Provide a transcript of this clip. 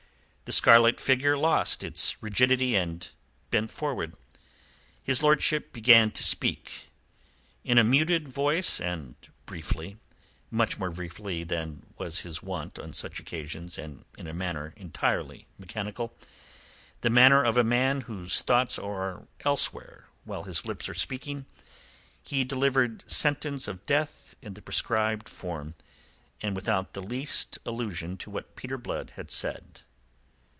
The scarlet figure lost its rigidity, and bent forward. His lordship began to speak. In a muted voice and briefly much more briefly than his wont on such occasions and in a manner entirely mechanical, the manner of a man whose thoughts are elsewhere while his lips are speaking he delivered sentence of death in the prescribed form, and without the least allusion to what Peter Blood had said.